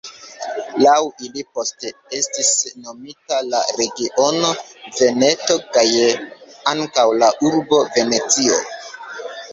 Laŭ ili poste estis nomita la regiono Veneto, kaj ankaŭ la urbo Venecio.